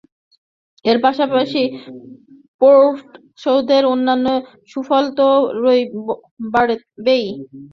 এর পাশাপাশি পোর্ট সৈয়দের অন্যান্য সুফল তো বাড়বেই।